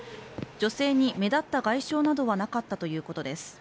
女性に目立った外傷などはなかったということです